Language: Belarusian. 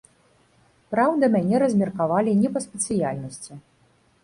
Праўда, мяне размеркавалі не па спецыяльнасці.